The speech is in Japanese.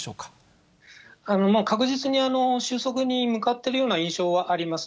確実に収束に向かっているような印象はあります。